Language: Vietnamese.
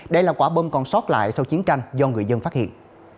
đây là quả bom còn sót lại sau chiến tranh do người dân phát hiện